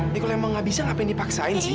ya kalau emang gak bisa ngapain dipaksain sih